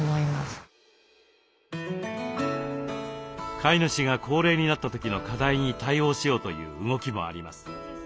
飼い主が高齢になった時の課題に対応しようという動きもあります。